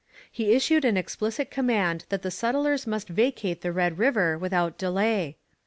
He issued an explicit command that the settlers must vacate the Red River without delay.